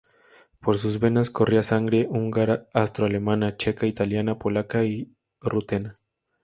Por sus venas corría sangre húngara, austro-alemana, checa, italiana, polaca y rutena.